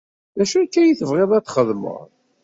D acu akya i tebɣiḍ ad t-txedmeḍ?